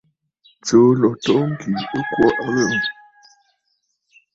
Tsùu ló too ŋkì ɨ kwo a aghəŋə̀.